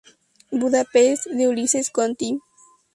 Budapest de Ulises Conti.